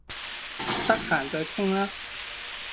得閒再傾啦